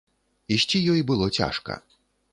Ісці ёй было цяжка.